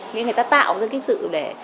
nghĩa là người ta tạo ra cái sự để